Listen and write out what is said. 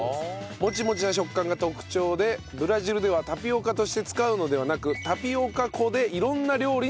モチモチな食感が特徴でブラジルではタピオカとして使うのではなくタピオカ粉で色んな料理に使っていると。